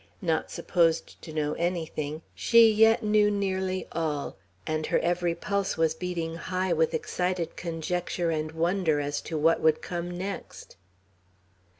Not supposed to know anything, she yet knew nearly all; and her every pulse was beating high with excited conjecture and wonder as to what would come next.